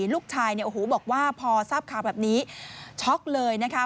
ลูกชายบอกว่าพอทราบข่าวแบบนี้ช็อกเลยนะคะ